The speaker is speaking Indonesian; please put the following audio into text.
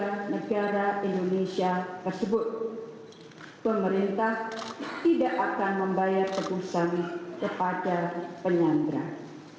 warga negara indonesia tersebut pemerintah tidak akan membayar tebusan kepada penyandera